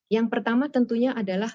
yang pertama tentunya adalah